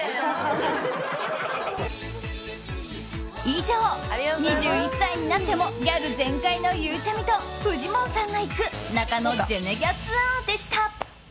以上、２１歳になってもギャル全開のゆうちゃみとフジモンさんが行く中野ジェネギャツアでした。